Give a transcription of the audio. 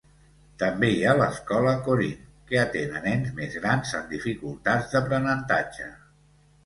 També hi ha l'escola Coreen, que atén a nens més grans amb dificultats d'aprenentatge.